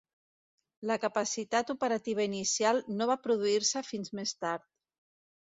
La capacitat operativa inicial no va produir-se fins més tard.